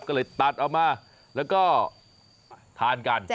ก็เลยตัดออกมาแล้วก็ทานกัน